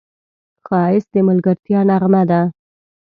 ښایست د ملګرتیا نغمه ده